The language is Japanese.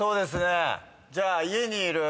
じゃあ。